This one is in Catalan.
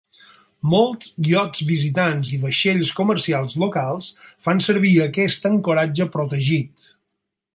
Molts iots visitants i vaixells comercials locals fan servir aquest ancoratge protegit.